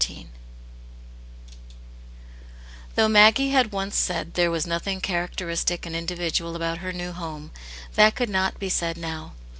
i'\ THOUGH Maggie had once said there was nothing characteristic and individual about h^ new home, that could not be said now.